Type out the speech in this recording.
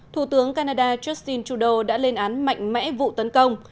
thủ tướng canada justin trudeau đã lên án mạnh mẽ vụ tấn công